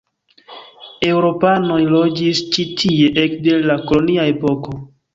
Eŭropanoj loĝis ĉi tie ekde la kolonia epoko.